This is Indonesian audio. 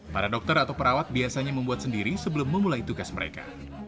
para dokter atau perawat biasanya membuat sendiri sebelum memulai tugas mereka